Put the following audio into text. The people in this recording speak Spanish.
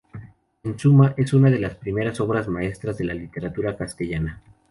En suma, es una de las primeras obras maestras de la literatura castellana.